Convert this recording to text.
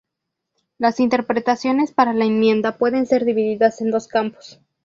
Las interpretaciones para la enmienda pueden ser divididas en dos campos.